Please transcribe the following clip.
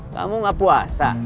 kamu gak puasa